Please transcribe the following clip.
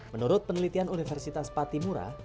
menurut penelitian universitas patimura